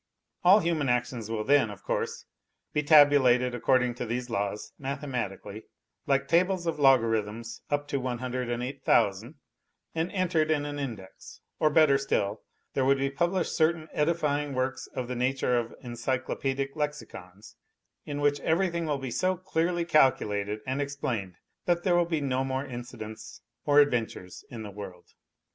All human actions will then, of course, be tabu lated according to these laws, mathematically, like tables of logarithms up to 108,000, and entered in an index; or, better still, there would be published certain edifying works of the nature of encyclopaedic lexicons, in which everything will be BO clearly calculated and explained that there will be no more incidents or adventures in the world.